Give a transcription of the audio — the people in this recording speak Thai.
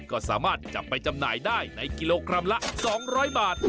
ก็สามารถจับไปจำหน่ายได้ในกิโลกรัมละ๒๐๐บาท